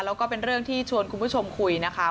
แล้วก็เป็นเรื่องที่ชวนคุณผู้ชมคุยนะคะ